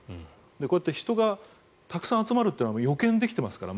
こうやって人がたくさん集まるというのは予見できてますから。